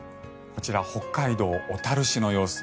こちら、北海道小樽市の様子。